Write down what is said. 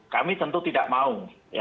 kami tentu tidak mau